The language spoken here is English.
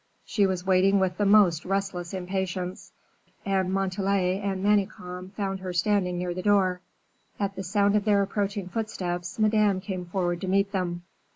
She was waiting with the most restless impatience; and Montalais and Manicamp found her standing near the door. At the sound of their approaching footsteps, Madame came forward to meet them.